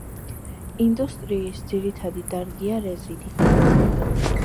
ინდუსტრიის ძირითადი დარგია რეზინი.